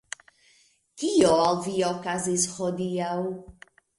Kio al vi okazis hodiaŭ?